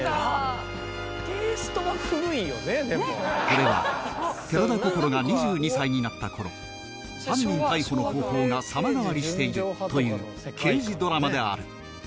これは寺田心が２２歳になった頃犯人逮捕の方法が様変わりしているという刑事ドラマである